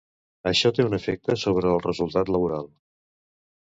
Això té un efecte sobre el resultat laboral.